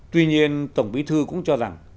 tuy nhiên tổng bí thư cũng cho rằng